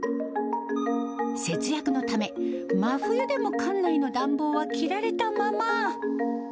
節約のため、真冬でも館内の暖房は切られたまま。